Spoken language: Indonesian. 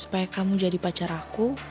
supaya kamu jadi pacar aku